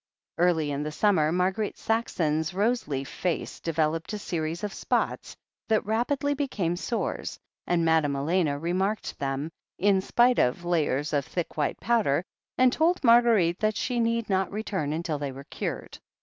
Early in the summer Marguerite Saxon's roseleaf face developed a series of spots that rapidly became sores, and Madame Elena remarked them, in spite of layers of thick white powder, and told Marguerite that she need not return until they were cured.